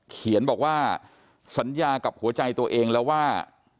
เขียนบอกว่าสัญญากับหัวใจตัวเองแล้วว่า